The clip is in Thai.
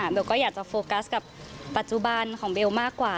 ก็อยากจะโฟกัสกับปัจจุบันของเบลมากกว่า